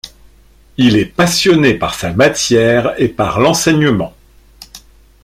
Il est passionné par sa matière et par l'enseignement.